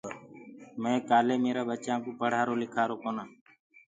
مي ڪآلي ميرآ ٻچآ ڪو پڙهآرو لکارو ڪونآ